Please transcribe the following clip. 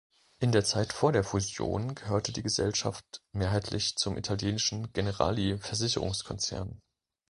In der Zeit vor der Fusion gehörte die Gesellschaft mehrheitlich zum italienischen Generali-Versicherungskonzern.